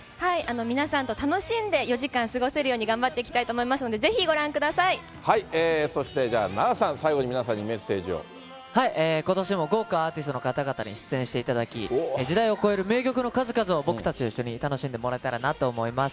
皆さんと楽しんで４時間過ごせるように頑張っていきたいと思そしてじゃあ永瀬さん、最後ことしも豪華アーティストの方々に出演していただき、時代を超える名曲の数々を僕たちと一緒に楽しんでもらえたらなと思います。